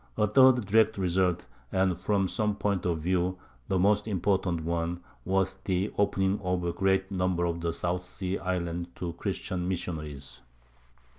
A third direct result, and from some points of view the most important one, was the opening of a great number of the South Sea Islands to Christian missionaries.